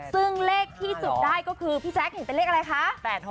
ซึ่งเลขที่สุดได้ก็คือพี่แจ๊คเห็นเป็นเลขอะไรคะ